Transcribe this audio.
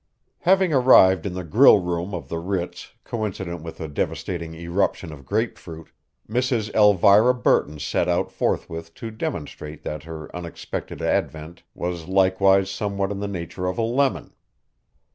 Having arrived in the grill room of the Ritz coincident with a devastating eruption of grapefruit, Mrs. Elvira Burton set out forthwith to demonstrate that her unexpected advent was likewise somewhat in the nature of a lemon.